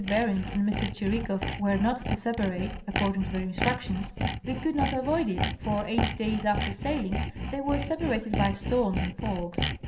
Bering and M. Tschiri kow were not to separate, according to their instructions, they could not avoid it, for eight days after sailing they were separated by storms and fogs.